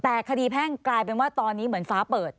แต่คดีแพ่งกลายเป็นว่าตอนนี้เหมือนฟ้าเปิด